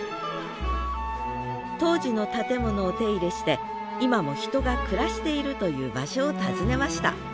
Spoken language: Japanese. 当時の建物を手入れして今も人が暮らしているという場所を訪ねました